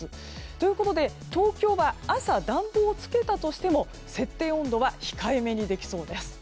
ということで東京は朝、暖房をつけたとしても設定温度は控えめにできそうです。